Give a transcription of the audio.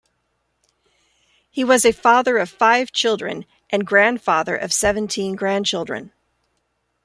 He was a father of five children and grandfather of seventeen grandchildren.